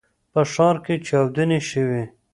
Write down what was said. په ښار کې چاودنې شوي.